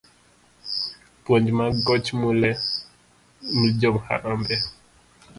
puonj mag koch Mulee ni jo Harambee.